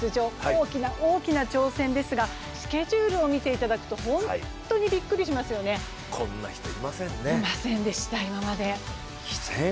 大きな大きな挑戦ですが、スケジュールを見ていただくとこんな人、いませんね。